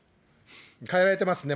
代えられてますね、